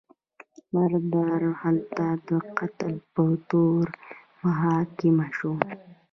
مراد هلته د قتل په تور محاکمه شو.